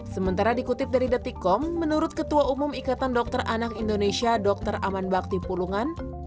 sementara dikutip dari detikom menurut ketua umum ikatan dokter anak indonesia dr aman bakti pulungan